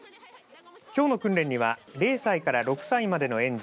きょうの訓練には０歳から６歳までの園児